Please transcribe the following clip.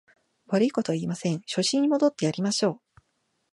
悪いことは言いません、初心に戻ってやりましょう